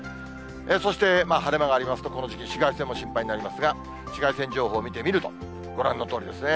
そして、晴れ間がありますとこの時期、紫外線も心配になりますが、紫外線情報見てみると、ご覧のとおりですね。